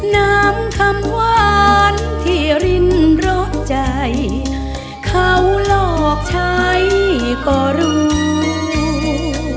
น้ำคำหวานที่รินเพราะใจเขาหลอกใช้ก็รู้